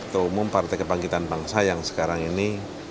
keumum partai kebangkitan bangsa yang sekarang ini